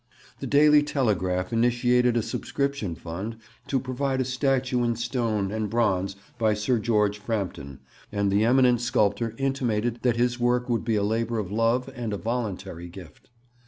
The Daily Telegraph initiated a subscription fund to provide a statue in stone and bronze by Sir George Frampton, and the eminent sculptor intimated that his work would be a labour of love and a voluntary gift.